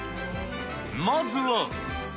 まずは。